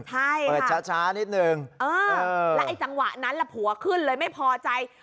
เปิดช้านิดนึงเออแล้วไอ้จังหวะนั้นแหละผัวขึ้นเลยไม่พอใจ